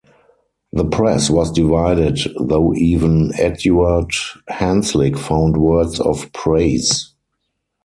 The press was divided, though even Eduard Hanslick found words of praise.